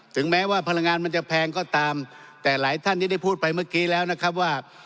ถึงแม้ว่าพลังงานมันจะแพงก็ตามแต่หลายท่านที่ได้พูดไปเมื่อกี้แล้วนะครับว่า